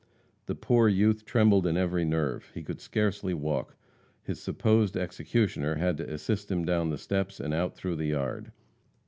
The poor youth trembled in every nerve. He could scarcely walk. His supposed executioner had to assist him down the steps and out through the yard.